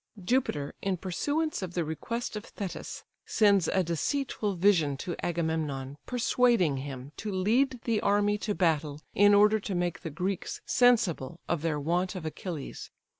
Jupiter, in pursuance of the request of Thetis, sends a deceitful vision to Agamemnon, persuading him to lead the army to battle, in order to make the Greeks sensible of their want of Achilles.